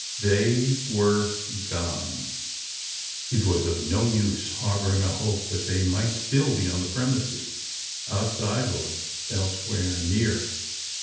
They were gone! It was of no use harbouring a hope that they might still be on the premises outside or elsewhere near.